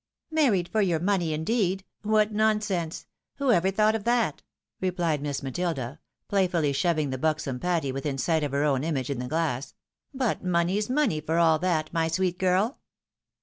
" Married for your money, indeed. What nonsense. Who ever thought of that ?" replied JSIiss Matilda, playfully shoving the buxom Patty within sight of her own image in the glass ;" but money's money for all that, my sweet girl."